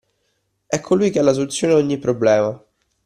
È colui che ha la soluzione a ogni problema.